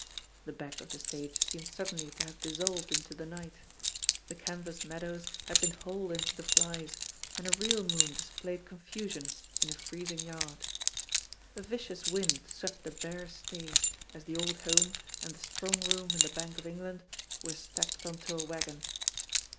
The back of the stage seemed suddenly to have dissolved into the night — ^the canvas THE POSITION OF PEGGY HARPER 11 meadows had been hauled into the '"flies," and a real moon displayed confusion in a freezing yard. A vicious wind swept the bare stage as "The Old Home" and "The Strong Room in the Bank of England" were stacked on to a wagon.